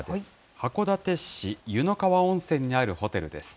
函館市湯の川温泉にあるホテルです。